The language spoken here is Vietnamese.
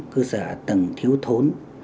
cơ sở tầng thiếu thốn